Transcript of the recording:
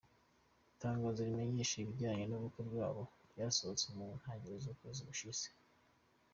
Itangazo rimenyesha ibijyanye n’ubukwe bwabo ryasohotse mu ntangiriro z’ukwezi gushize.